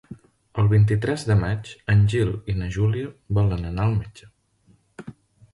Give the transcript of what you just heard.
El vint-i-tres de maig en Gil i na Júlia volen anar al metge.